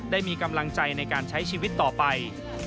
ได้มีกำลังใจในการใช้ชีวิตต่อไป